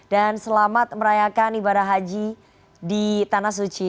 dan selamat merayakan ibadah haji di tanah suci